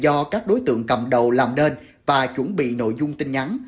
do các đối tượng cầm đầu làm nên và chuẩn bị nội dung tin nhắn